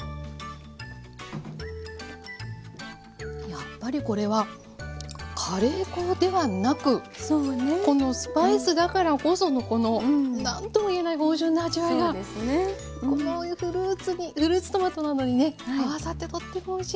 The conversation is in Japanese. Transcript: やっぱりこれはカレー粉ではなくこのスパイスだからこそのこの何とも言えない芳醇な味わいがこういうフルーツトマトなどにね合わさってとってもおいしいです。